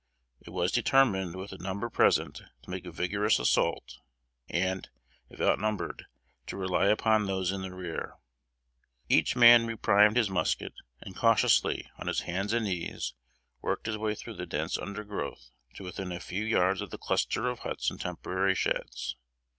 It was determined with the number present to make a vigorous assault, and, if outnumbered, to rely upon those in the rear. Each man reprimed his musket, and cautiously, on his hands and knees, worked his way through the dense undergrowth to within a few yards of the cluster of huts and temporary sheds.